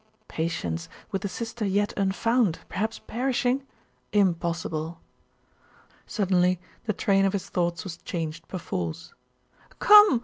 Patience, with a sister yet unfound, perhaps perishing? Impossible! Suddenly the train of his thoughts was changed perforce: 'Come!